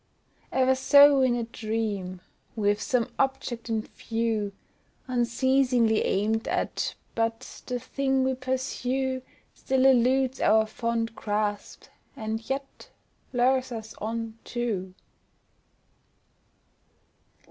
E'en so in a dream, we've some object in view Unceasingly aimed at, but the thing we pursue Still eludes our fond grasp, and yet lures us on too.